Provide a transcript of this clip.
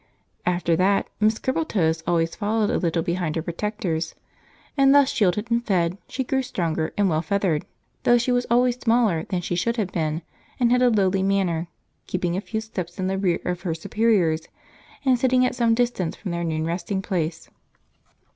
After that Miss Crippletoes always followed a little behind her protectors, and thus shielded and fed she grew stronger and well feathered, though she was always smaller than she should have been and had a lowly manner, keeping a few steps in the rear of her superiors and sitting at some distance from their noon resting place.